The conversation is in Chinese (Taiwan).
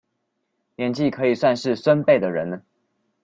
年紀可以算是孫輩的人